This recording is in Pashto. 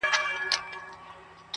چي دي و وینم د تورو سترګو جنګ کي,